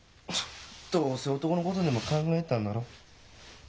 どうせ男のことでも考えてたんだろ？